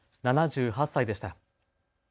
７８歳でした。